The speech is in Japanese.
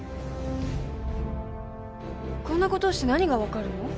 こんな事をして何がわかるの？